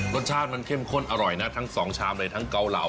รสชาติมันเข้มข้นอร่อยนะทั้งสองชามเลยทั้งเกาเหลา